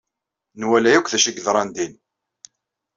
Nwala akk d acu yeḍṛan din.